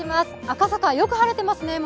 赤坂、よく晴れてますね。